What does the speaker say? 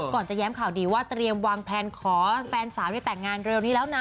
จะแย้มข่าวดีว่าเตรียมวางแพลนขอแฟนสาวได้แต่งงานเร็วนี้แล้วนะ